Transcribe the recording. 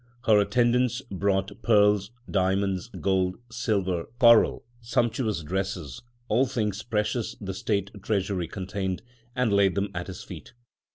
Her attendants brought pearls, diamonds, gold, silver, coral, sumptuous dresses, all things precious the state treasury contained, and laid them at his feet.